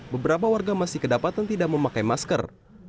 beberapa warga masih kedapatan tidak memakai masker